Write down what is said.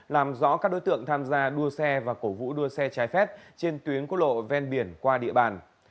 làm rõ các đối tượng tham gia đua xe và cổ vũ đua xe trái phép trên tuyến quốc lộ ven biển qua địa bàn